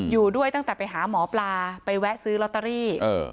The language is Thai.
อยู่ด้วยตั้งแต่ไปหาหมอปลาไปแวะซื้อลอตเตอรี่